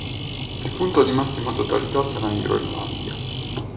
Il punto di massima totalità sarà in Groenlandia.